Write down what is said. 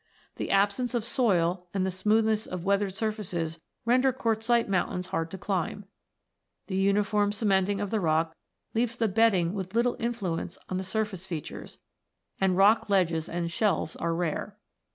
The absence of soil and the smoothness of weathered surfaces render quartzite mountains hard to climb. The uniform cementing of the rock leaves the bed ding with little influence on the surface features, and rock ledges and shelves are rare.